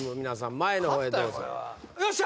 前のほうへどうぞよっしゃ！